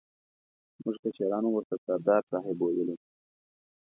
موږ کشرانو ورته سردار صاحب ویلو.